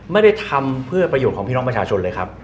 ไม่ได้ทำเพื่อประโยชน์ของพี่น้องประชาชนเลยครับ